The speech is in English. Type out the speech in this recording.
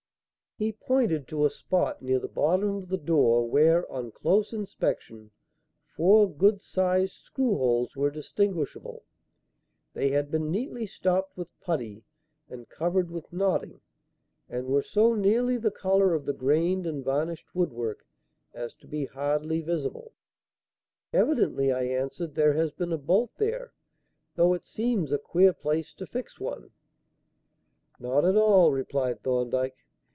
He pointed to a spot near the bottom of the door where, on close inspection, four good sized screw holes were distinguishable. They had been neatly stopped with putty and covered with knotting, and were so nearly the colour of the grained and varnished woodwork as to be hardly visible. "Evidently," I answered, "there has been a bolt there, though it seems a queer place to fix one." "Not at all," replied Thorndyke.